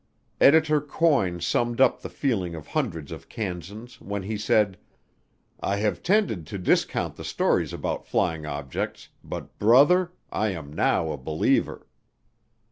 Editor Coyne summed up the feeling of hundreds of Kansans when he said: "I have tended to discount the stories about flying objects, but, brother, I am now a believer."